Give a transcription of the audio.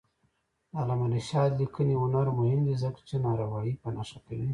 د علامه رشاد لیکنی هنر مهم دی ځکه چې ناروايي په نښه کوي.